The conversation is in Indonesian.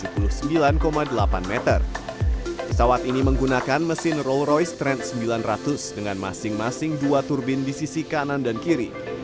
pesawat ini menggunakan mesin roll royce trend sembilan ratus dengan masing masing dua turbin di sisi kanan dan kiri